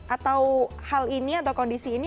atau hal ini atau kondisi ini hanya berubah